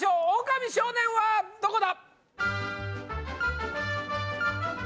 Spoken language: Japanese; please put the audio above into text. オオカミ少年はどこだ？